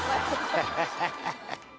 ハハハハ！